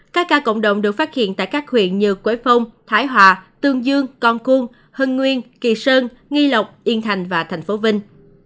các ca cộng đồng được phát hiện tại các huyện như quế phong thái hòa tương dương con cuông hưng nguyên kỳ sơn nghi lộc yên thành và thành phố vinh